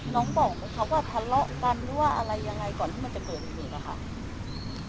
น้องบอกไหมคะว่าทะเลาะกันหรือว่าอะไรยังไงก่อนที่มันจะเกิดเหตุอะค่ะ